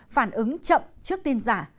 phản ứng chậm trước tin giả